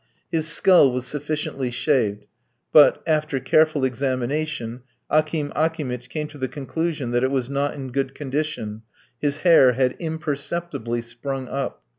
His skull was sufficiently shaved; but, after careful examination, Akim Akimitch came to the conclusion that it was not in good condition, his hair had imperceptibly sprung up.